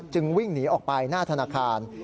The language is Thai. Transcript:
วิ่งหนีออกไปหน้าธนาคาร